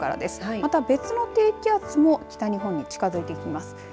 また別の低気圧も北日本に近づいてきます。